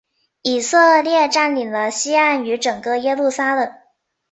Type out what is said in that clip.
以色列占领了西岸与整个耶路撒冷。